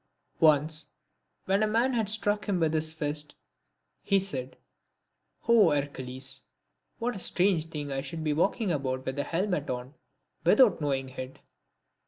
Once, when a man had struck him with his fist, he said," " O Hercules, what a strange thing that I should be walking about with a helmet on without know ing it